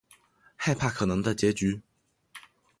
害怕可能的结局